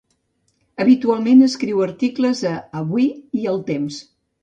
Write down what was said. Habitualment escriu articles a Avui i El Temps.